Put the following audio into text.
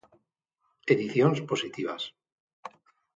Edicións Positivas.